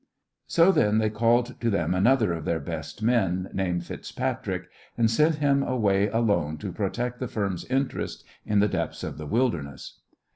So then they called to them another of their best men, named FitzPatrick, and sent him away alone to protect the firm's interests in the depths of the wilderness.